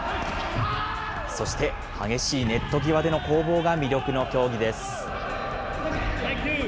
そして、激しいネット際での攻防が魅力の競技です。